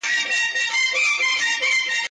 زرین لوښي یې کتار کړل غلامانو!